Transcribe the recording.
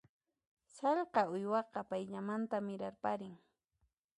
Sallqa uywaqa payllamanta mirarparin.